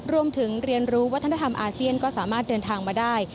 เรียนรู้วัฒนธรรมอาเซียนก็สามารถเดินทางมาได้